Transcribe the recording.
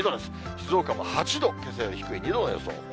静岡も８度けさより低い、２度の予想です。